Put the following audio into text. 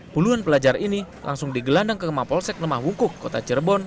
puluhan pelajar ini langsung digelandang ke kemah polsek kemah hukuk kota cirebon